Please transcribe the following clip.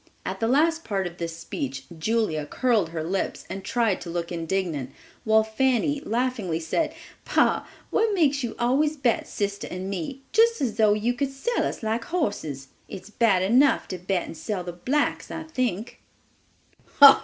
At the last part of this speech Julia curled her lips and tried to look indignant, while Fanny laughingly said, "Pa, what makes you always bet sister and me, just as though you could sell us like horses? It's bad enough to bet and sell the blacks, I think."